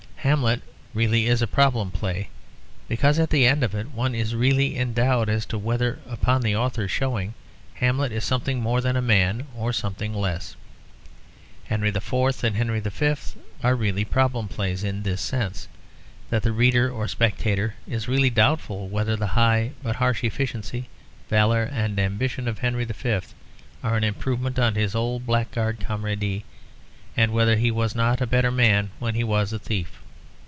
Hamlet really is a problem play because at the end of it one is really in doubt as to whether upon the author's showing Hamlet is something more than a man or something less. Henry IV and Henry V are really problem plays; in this sense, that the reader or spectator is really doubtful whether the high but harsh efficiency, valour, and ambition of Henry V are an improvement on his old blackguard camaraderie; and whether he was not a better man when he was a thief.